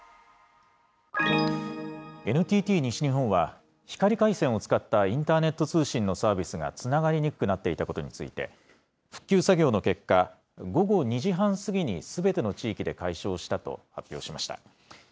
ＮＴＴ西日本は、光回線を使ったインターネット通信のサービスがつながりにくくなっていたことについて、復旧作業の結果、午後２時半過ぎにすべての地域で解消したと発表しました。